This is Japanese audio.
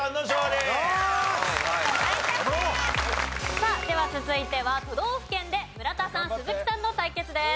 さあでは続いては都道府県で村田さん鈴木さんの対決です。